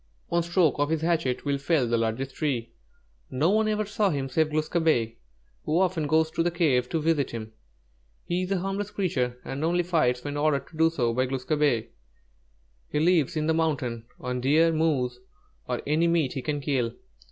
One stroke of his hatchet will fell the largest tree. No one ever saw him save Glūs kābé, who often goes to the cave to visit him. He is a harmless creature, and only fights when ordered to do so by Glūs kābé. He lives in that mountain, on deer, moose, or any meat he can kill.